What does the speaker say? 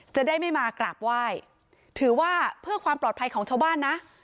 จะได้ไม่มากราบไหว้ถือว่าเพื่อความปลอดภัยของชาวบ้านนะ